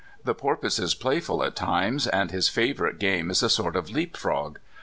The porpoise is playful at times, and his favorite game is a sort of leapfrog.